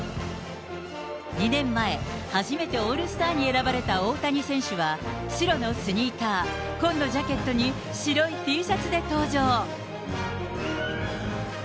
２年前、初めてオールスターに選ばれた大谷選手は、白のスニーカー、紺のジャケットに白いＴシャツで登場。